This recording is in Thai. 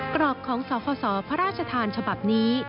กรอบของสคศพระราชทานฉบับนี้